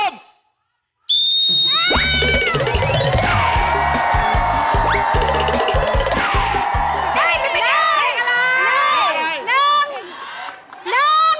พร้อม